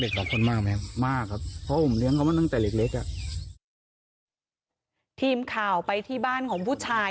ทีมข่าวไปที่บ้านของผู้ชาย